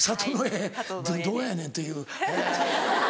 どうやねんという。